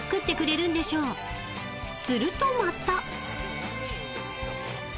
［するとまた］